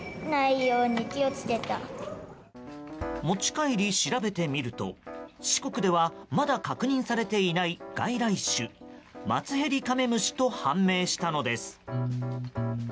持ち帰り、調べてみると四国ではまだ確認されていない外来種マツヘリカメムシと判明したのです。